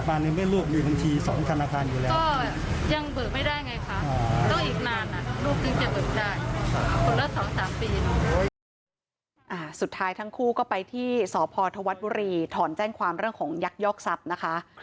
สุดท้ายทั้งคู่ก็ไปที่สพธวัฒน์บุรีถอนแจ้งความเรื่องของยักยอกทรัพย์นะคะ